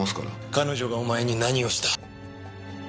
彼女がお前に何をした？